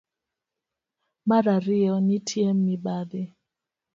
Mar ariyo, nitie mibadhi.